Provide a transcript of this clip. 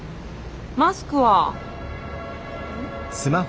マスクは？